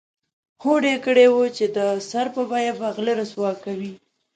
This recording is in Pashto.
هوډ یې کړی و چې د سر په بیه به غله رسوا کوي.